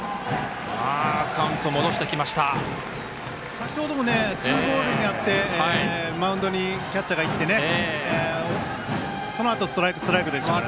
先ほどもツーボールになってマウンドにキャッチャーが行ってそのあと、ストライクストライクでしたからね。